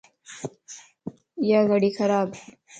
ايا گڙي خرابَ